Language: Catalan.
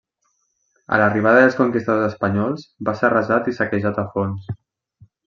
A l'arribada dels conquistadors espanyols, va ser arrasat i saquejat a fons.